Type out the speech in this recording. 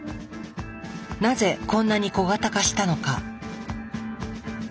なぜこんなに小型化したのか。